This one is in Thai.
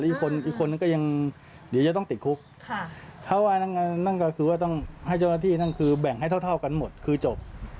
อีกคนอีกคนนึงก็ยังเดี๋ยวจะต้องติดคุกถ้าว่านั่นก็คือว่าต้องให้เจ้าหน้าที่นั่นคือแบ่งให้เท่าเท่ากันหมดคือจบ